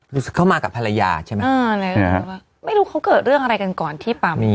รู้สึกเข้ามากับภรรยาใช่ไหมไม่รู้เขาเกิดเรื่องอะไรกันก่อนที่ปลามันอีก